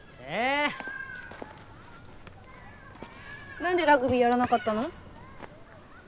なんでラグビーやらなかったの？